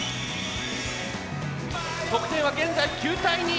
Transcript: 得点は現在９対２。